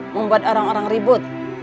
membuat orang orang ribut